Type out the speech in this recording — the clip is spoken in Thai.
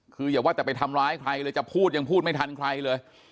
คืออย่าว่าแต่ไปทำร้ายใครเลยจะพูดยังพูดไม่ทันใครเลย